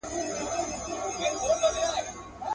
قافلې به د اغیارو پر پېچومو نیمه خوا سي.